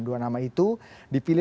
dua nama itu dipilih